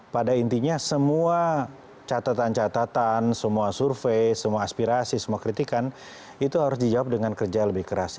pada intinya semua catatan catatan semua survei semua aspirasi semua kritikan itu harus dijawab dengan kerja lebih keras